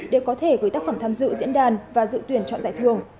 đều có thể gửi tác phẩm tham dự diễn đàn và dự tuyển chọn giải thưởng